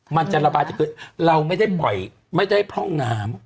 มันจะระบายจะเกิดเราไม่ได้ปล่อยไม่ได้พร่องน้ำ